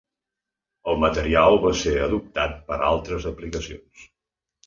El material va ser adoptat per altres aplicacions.